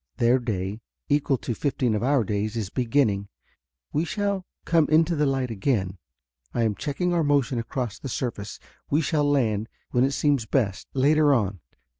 Their day, equal to fifteen of our days, is beginning. We shall come into the light again. I am checking our motion across the surface. We shall land, when it seems best, later on.